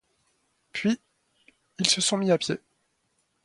Puis ils sont mis à pied.